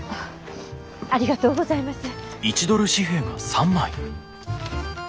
ありがとうございます。